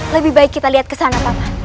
lebih baik kita lihat ke sana paman